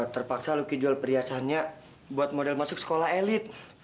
terpaksa luki jual perhiasannya buat model masuk sekolah elit